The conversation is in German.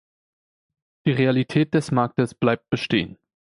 Die Realität des Marktes bleibt bestehen.